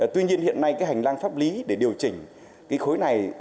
tuy nhiên hiện nay cái hành lang pháp lý để điều chỉnh cái khối này